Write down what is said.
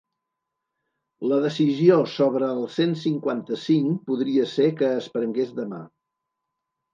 La decisió sobre el cent cinquanta-cinc podria ser que es prengués demà.